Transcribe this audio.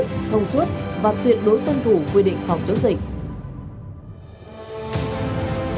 thông suốt và tuyệt đối tuân thủ quy định phòng chống dịch